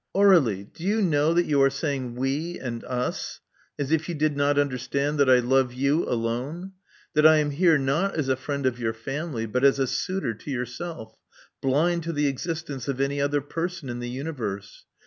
'* ''Aur61ie: do yon know that yon are saying^^we^^ and 'ns/ as if yon did not understand that I love ]ncm alone — that I am here, not as a friend of your fiaogd)^, but as a suitor to yourself, blind to the eadstencSiOC any other person in the universe.